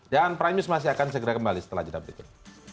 dan prime news masih akan segera kembali setelah jadwal berikut